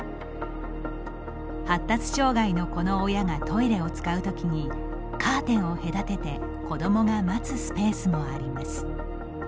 発達障害の子の親がトイレを使うときにカーテンを隔てて子どもが待つスペースもあります。